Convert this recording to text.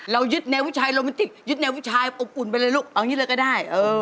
ยึดแนวผู้ชายโรแมนติกยึดแนวผู้ชายอบอุ่นไปเลยลูกเอาอย่างนี้เลยก็ได้